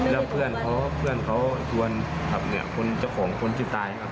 แล้วเพื่อนเขาชวนขับเนี่ยจักรของคนที่ตายครับ